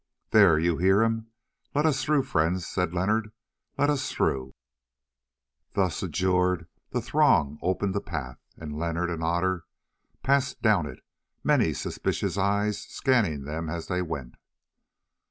"There, you hear him—let us through, friends," said Leonard, "let us through!" Thus adjured the throng opened a path, and Leonard and Otter passed down it, many suspicious eyes scanning them as they went.